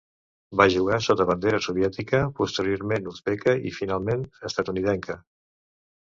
Va jugar sota bandera soviètica, posteriorment uzbeka, i finalment estatunidenca.